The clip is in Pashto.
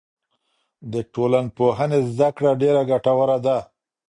د ټولنپوهنې زده کړه ډېره ګټوره ده.